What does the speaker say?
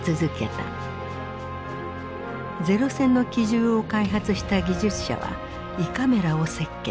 零戦の機銃を開発した技術者は胃カメラを設計。